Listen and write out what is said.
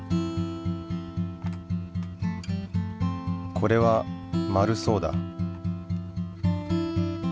これは丸そうだ。